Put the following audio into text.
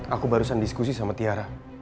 aku barusan diskusi sama tiara